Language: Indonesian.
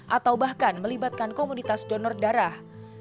atau bahkan melibatkan komunitas donor darah